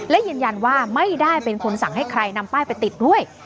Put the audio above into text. และยืนยันว่าไม่ได้เป็นคนสั่งให้ใครนำป้ายไปติดด้วย